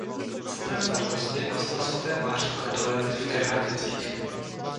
Centrem farnosti je kostel svaté Máří Magdaleny v Kerhaticích.